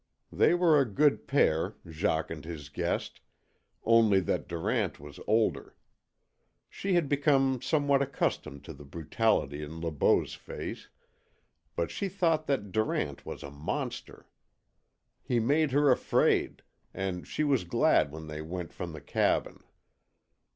They were a good pair, Jacques and his guest, only that Durant was older. She had become somewhat accustomed to the brutality in Le Beau's face, but she thought that Durant was a monster. He made her afraid, and she was glad when they went from the cabin.